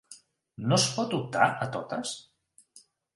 No es pot optar a totes?